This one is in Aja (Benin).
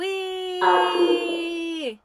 Adru.